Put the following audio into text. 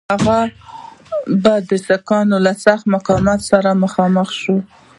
هغه به د سیکهانو له سخت مقاومت سره مخامخ شي.